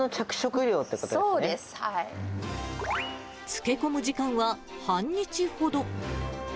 漬け込む時間は半日ほど。